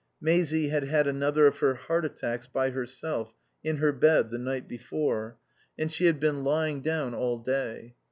Maisie had had another of her heart attacks, by herself, in her bed, the night before; and she had been lying down all day.